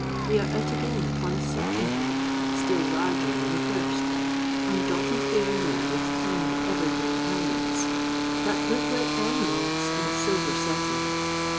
we are out again upon a second lake, still larger than the first, and dotted here and there with tiny ever green islets that look like emeralds in a silver setting.